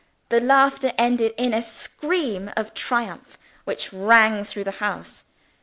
The laughter ended in a scream of triumph, which rang through the house.